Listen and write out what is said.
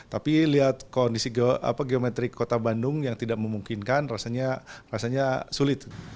tapi lihat kondisi geometrik kota bandung yang tidak memungkinkan rasanya sulit